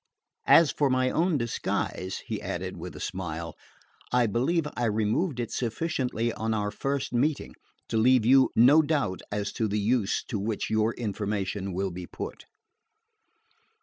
As for my own disguise," he added with a smile, "I believe I removed it sufficiently on our first meeting to leave you no doubt as to the use to which your information will be put."